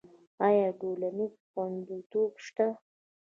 آیا ټولنیز خوندیتوب شته؟